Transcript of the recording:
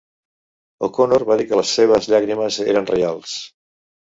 O'Connor va dir que les seves llàgrimes eren reals.